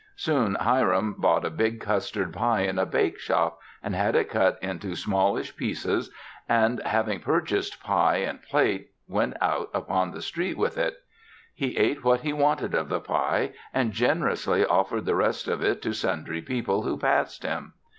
Soon, Hiram bought a big custard pie in a bake shop and had it cut into smallish pieces and, having purchased pie and plate, went out upon the street with it. He ate what he wanted of the pie and generously offered the rest of it to sundry people who passed him.